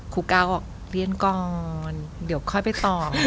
ครูก้าวออกเรียนก่อนเดี๋ยวค่อยไปตอบ